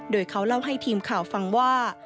โดยเขาเล่าให้ทีมข่าวฟังว่า